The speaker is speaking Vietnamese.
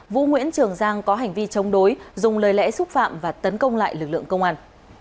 vũ nguyễn trường giang có hành vi chống đối dùng lời lẽ xúc phạm và tấn công lại lực lượng công an